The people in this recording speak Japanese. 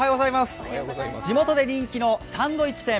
地元で人気のサンドイッチ店